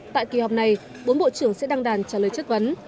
tại kỳ họp này bốn bộ trưởng sẽ đăng đàn trả lời chất vấn